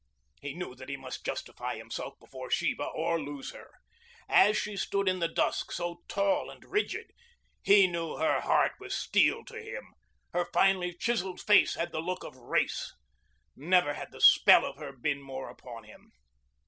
He knew that he must justify himself before Sheba or lose her. As she stood in the dusk so tall and rigid, he knew her heart was steel to him. Her finely chiseled face had the look of race. Never had the spell of her been more upon him.